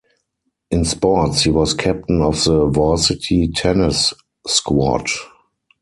In sports, he was captain of the varsity tennis squad.